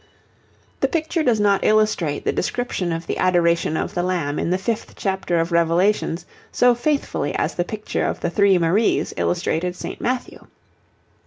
The picture does not illustrate the description of the Adoration of the Lamb in the fifth chapter of Revelations so faithfully as the picture of the 'Three Maries' illustrated St. Matthew.